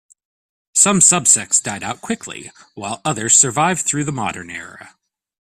Some sub-sects died out quickly, while others survive through the modern era.